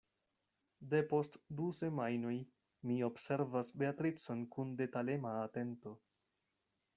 Depost du semajnoj mi observas Beatricon kun detalema atento.